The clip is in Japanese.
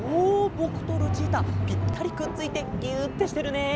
ぼくとルチータぴったりくっついてぎゅーってしてるね！